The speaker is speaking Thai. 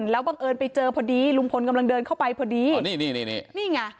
แล้วบังเอิญไปเจอพอดีลุงพลกำลังเดินเข้าไปพอดีนี่นี่ไง